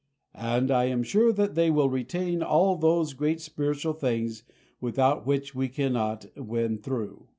And I am sure that they will retain all those great spiritual things without which we cannot win through.